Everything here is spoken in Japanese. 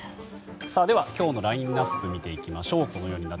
では今日のラインアップを見ていきましょう。